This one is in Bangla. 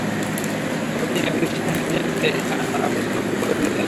খবরটি জেনে পুলিশ সেখানে অভিযানে গেলে তারা পুলিশকে লক্ষ্য করে গুলি চালায়।